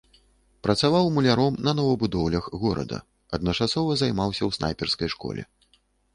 Працаваў мулярам на новабудоўлях горада, адначасова займаўся ў снайперскай школе.